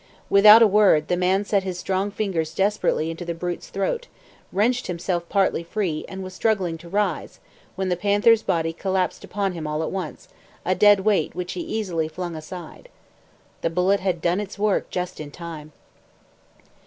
Without a word, the man set his strong fingers desperately into the brute's throat, wrenched himself partly free, and was struggling to rise, when the panther's body collapsed upon him all at once, a dead weight which he easily flung aside. The bullet had done its work just in time.